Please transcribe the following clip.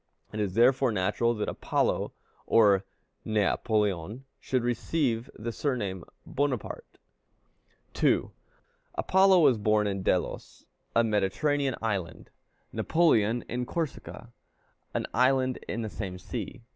It is therefore natural that Apollo or Né Apoleón should receive the surname of Bonaparte. 2. Apollo was born in Delos, a Mediterranean island; Napoleon in Corsica, an island in the same sea.